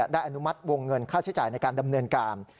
อนุมัติวงเงินค่าใช้จ่ายในการดำเนินการ